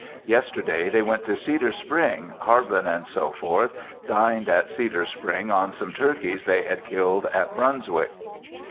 Yesterday they went to Cedar Spring, Harbin, &c. dined at Cedar Spring on some turkeys they had killed at Brunswick.